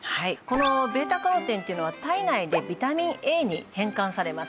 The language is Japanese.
このβ−カロテンっていうのは体内でビタミンＡに変換されます。